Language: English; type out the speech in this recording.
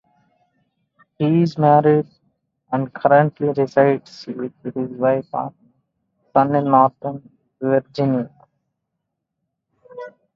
He is married and currently resides with his wife and son in Northern Virginia.